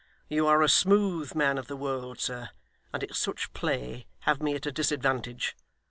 You are a smooth man of the world, sir, and at such play have me at a disadvantage.